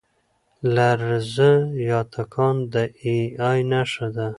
لرزه یا تکان د اې ای نښه ده.